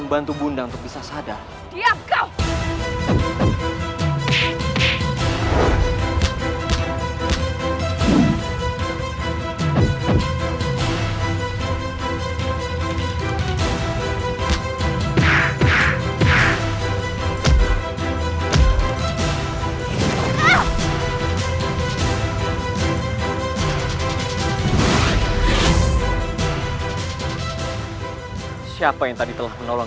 jangan agak keseliptaan sekarang